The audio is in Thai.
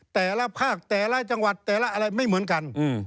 แต่ละภาคแต่ละจังหวัดแต่ละอะไรไม่เหมือนกัน